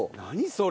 それ。